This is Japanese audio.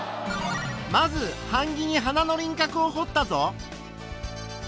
まず版木に花の輪かくをほったぞ。